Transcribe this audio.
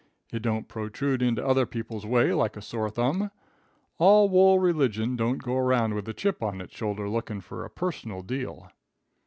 It don't protrude into other people's way like a sore thumb. All wool religion don't go around with a chip on it's shoulder looking for a personal deal.